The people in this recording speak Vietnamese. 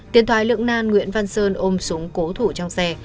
tiền thoại lượng nan nguyễn văn sơn ôm súng cố thủ trong xe